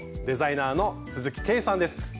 デザイナーの鈴木圭さんです。